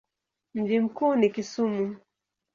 Mji mkuu ni Kisumu.